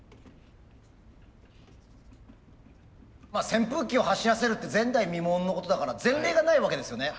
扇風機を走らせるって前代未聞のことだから前例がないわけですよね。